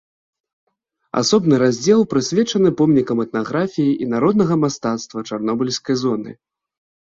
Асобны раздзел прысвечаны помнікам этнаграфіі і народнага мастацтва чарнобыльскай зоны.